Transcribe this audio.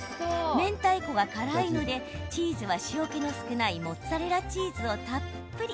めんたいこが辛いのでチーズは塩けの少ないモッツァレラチーズをたっぷり。